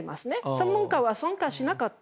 専門家は参加しなかった。